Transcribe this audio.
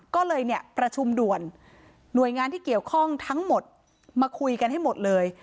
ก็เลยเนี่ยประชุมด่วนหน่วยงานที่เกี่ยวข้องทั้งหมดมาคุยกันให้หมดเลย